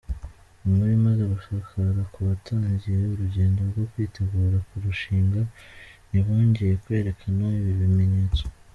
Inkuru imaze gusakara ko batangiye urugendo rwo kwitegura kurushinga, ntibongeye kwerekana ibi bimenyetso.